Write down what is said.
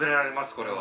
これは。